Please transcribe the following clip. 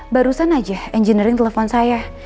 barusan aja engineering telepon saya